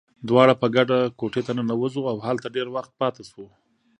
دواړه په ګډه کوټې ته ننوزو، او هلته ډېر وخت پاتې شو.